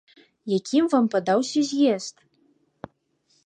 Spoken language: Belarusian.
Якім вам падаўся з'езд?